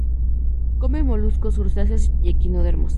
Come moluscos, crustáceos y equinodermos.